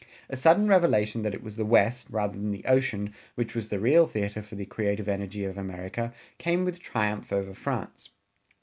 A sudden revelation that it was the West, rather than the ocean, which was the real theater for the creative energy of America came with the triumph over France.